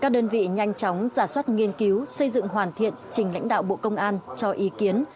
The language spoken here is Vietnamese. các đơn vị nhanh chóng giả soát nghiên cứu xây dựng hoàn thiện trình lãnh đạo bộ công an cho ý kiến